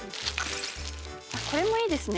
これもいいですね。